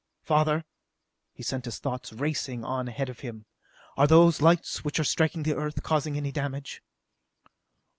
"Father," he sent his thoughts racing on ahead of him, "are those lights which are striking the Earth causing any damage?"